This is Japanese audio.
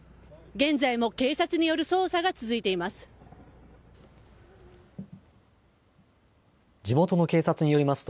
現在も警察による捜査が続いています。